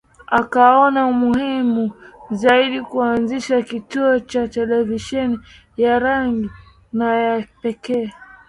Akaona muhimu zaidi kuanzisha kituo cha televisheni ya rangi na ya pekee